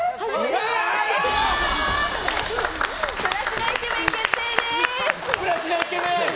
プラチナイケメン、決定です。